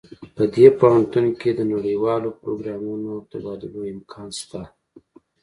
په دې پوهنتون کې د نړیوالو پروګرامونو او تبادلو امکان شته